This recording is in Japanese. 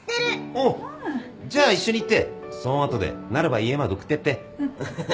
おっじゃあ一緒に行ってそん後でなるば家まで送ってやって。